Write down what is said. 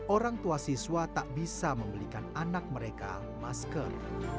orang tua siswa tak bisa membelikan anak mereka masker